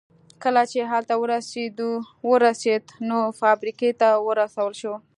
کله چې هلته ورسېد نو فابريکې ته ورسول شو.